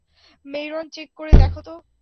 Myron, check করে দেখো তো?